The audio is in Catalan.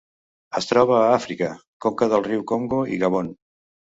Es troba a Àfrica: conca del riu Congo i Gabon.